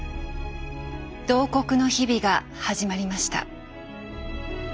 慟哭の日々が始まりました。